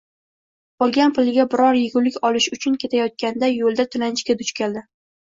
Olgan puliga biror egulik olish uchun ketayotganda yo`lda tilanchiga duch keldi